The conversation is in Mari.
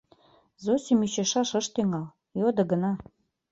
Зосим ӱчашаш ыш тӱҥал, йодо гына: